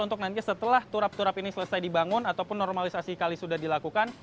untuk nanti setelah turap turap ini selesai dibangun ataupun normalisasi kali sudah dilakukan